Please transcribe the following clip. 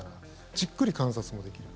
じっくり観察もできる。